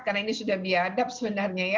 karena ini sudah biadab sebenarnya ya